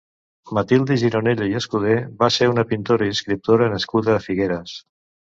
Matilde Gironella i Escuder va ser una pintora i escriptora nascuda a Figueres.